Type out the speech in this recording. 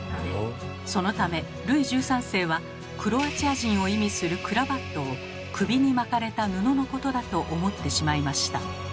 そのためルイ１３世はクロアチア人を意味するクラヴァットを首に巻かれた布のことだと思ってしまいました。